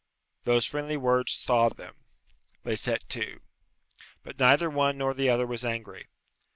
Those friendly words thawed them. They set to. But neither one nor the other was angry.